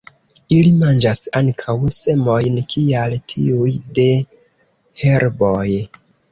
Ili manĝas ankaŭ semojn kiaj tiuj de herboj.